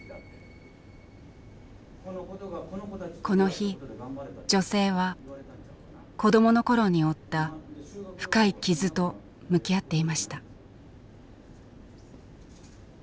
この日女性は子どもの頃に負った深い「傷」と向き合っていました。